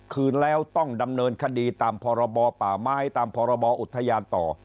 คืนแล้วต้องดำเนินคดีตามพรบป่าไม้ตามพรบอุทยานต่อ